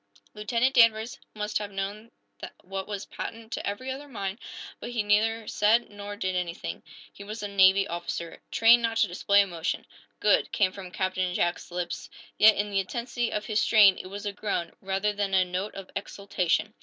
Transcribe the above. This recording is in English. Lieutenant Danvers must have known what was patent to every other mind but he neither said nor did anything. He was a Navy officer, trained not to display emotion. "Good!" came from Captain Jack's lips. Yet, in the intensity of his strain it was a groan, rather than a note of exultation.